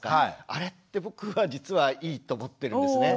あれって僕は実はいいと思ってるんですね。